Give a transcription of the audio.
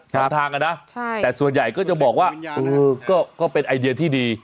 ทางอะนะแต่ส่วนใหญ่ก็จะบอกว่าเออก็เป็นไอเดียที่ดี